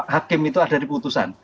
hakim itu ada di putusan